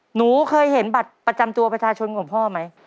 หนูเคยเห็นบัตรประจำตัวประชาชนของพ่อไหม